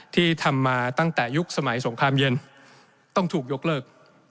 ที่ทำมาตั้งแต่ยุคสมัยสงครามเย็นต้องถูกยกเลิก